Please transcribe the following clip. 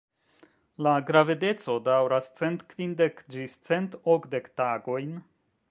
La gravedeco daŭras cent kvindek ĝis cent okdek tagojn.